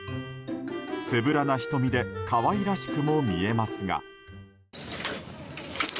つぶらな瞳で可愛らしくも見えますが。